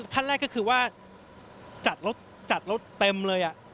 ขั้นแรกก็คือว่าจัดรถจัดรถเต็มเลย